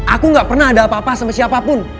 aku gak pernah ada apa apa sama siapapun